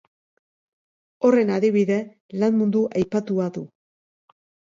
Horren adibide, lan mundu aipatua du.